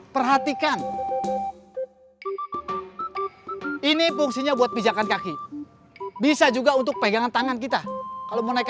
perhatikan ini fungsinya buat pijakan kaki bisa juga untuk pegangan tangan kita kalau mau naik